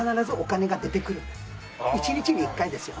１日に１回ですよ。